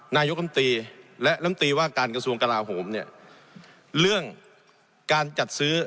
นายกรรมตรีและลำตีว่าการกระทรวงกลาโหมเนี่ยเรื่องการจัดซื้อ